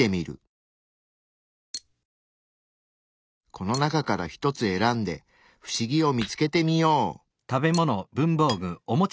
この中から１つ選んで不思議を見つけてみよう。